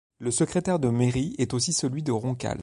Le secrétaire de mairie est aussi celui de Roncal.